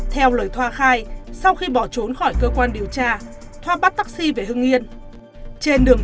theo lời thoa khai sau khi bỏ trốn khỏi cơ quan điều tra thoa bắt taxi về hưng yên trên đường